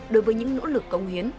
đối với những nỗ lực công hiến